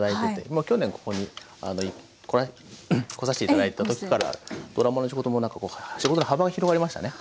まあ去年ここに来させて頂いた時からドラマの仕事もなんかこう仕事の幅が広がりましたね。